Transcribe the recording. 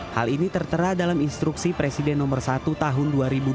hal ini tertera dalam instruksi presiden nomor satu tahun dua ribu dua puluh